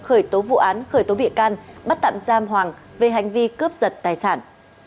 khởi tố vụ án khởi tố bị can bắt tạm giam hoàng về hành vi cướp giật tài sản